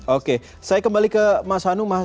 oke saya kembali ke mas hanum